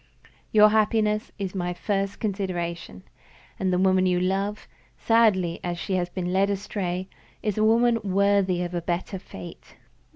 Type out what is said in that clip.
Your happiness is my first consideration, and the woman you love (sadly as she has been led astray) is a woman worthy of a better fate.